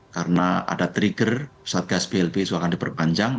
karena ada trigger satgas blpi sudah akan diperpanjang